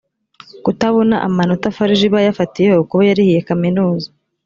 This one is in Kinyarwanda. kutabona amanota farg iba yafatiyeho kubo yarihiye kaminuza